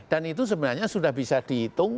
dan itu sebenarnya sudah bisa dihitung